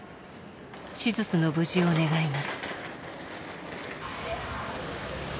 手術の無事を願います。